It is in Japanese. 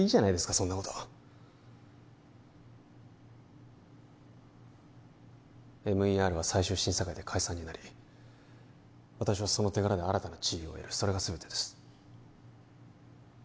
そんなことＭＥＲは最終審査会で解散になり私はその手柄で新たな地位を得るそれが全てです